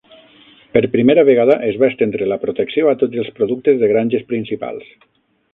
Per primera vegada es va estendre la protecció a tots els productes de granges principals.